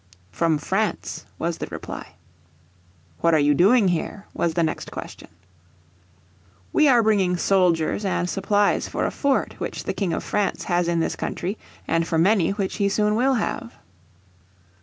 "From France," was the reply. "What are you doing here?" was the next question. "We are bringing soldiers and supplies for a fort which the King of France has in this country, and for many which he soon will have."